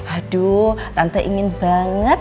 aduh tante ingin banget